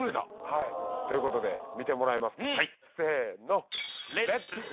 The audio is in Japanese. はいということで見てもらいますかせの。